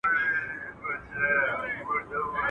بې ما دي شل نه کړه.